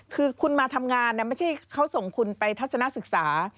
คือคุณมาทำงานไม่ใช่เขาส่งคุณไปทัศนศึกษา